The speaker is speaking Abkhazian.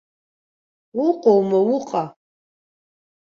Уҟоума, уҟа?